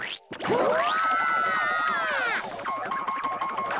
うわ！